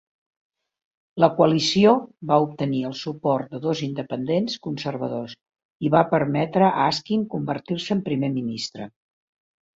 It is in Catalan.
La coalició va obtenir el suport de dos independents conservadors i va permetre a Askin convertir-se en primer ministre.